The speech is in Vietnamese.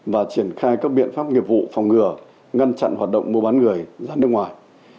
và triển khai các biện pháp nghiệp vụ phòng ngừa ngăn chặn hoạt động mua bán người ra nước ngoài